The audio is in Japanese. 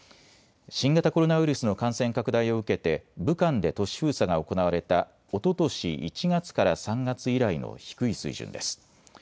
新型コロナウイルスの感染拡大を受けて武漢で都市封鎖が行われたおととし１月から３月以来の低い水準です。